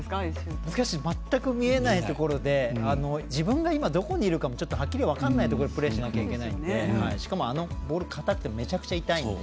全く見えないところで自分が今どこにいるかちょっとはっきり分からないところでプレーしなきゃいけないのでしかも、あのボール硬くてめちゃくちゃ痛いので。